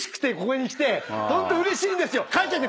ホントうれしいんですよ！